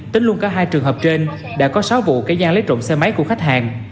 tính luôn cả hai trường hợp trên đã có sáu vụ kể gian lấy trộm xe máy của khách hàng